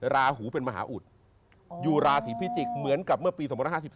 ราหูเป็นมหาอุดอยู่ราศีพิจิกษ์เหมือนกับเมื่อปี๒๕๔